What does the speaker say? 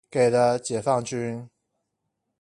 給了解放軍